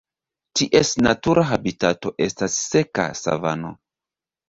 Ties natura habitato estas seka savano.